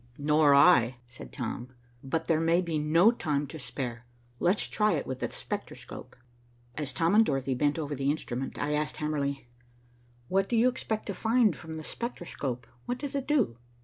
"Nor I," said Tom. "But there may be no time to spare. Let's try it with the spectroscope." As Tom and Dorothy bent over the instrument, I asked Hamerly, "What do you expect to find from the spectroscope? What does it do?"